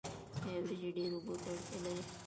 آیا وریجې ډیرو اوبو ته اړتیا لري؟